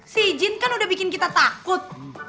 si jin kan udah bikin kita takut